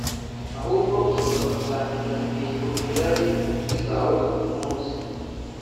ahubwo ushobora gusangiza ibintu binyuranye inshuti zawe ku munsi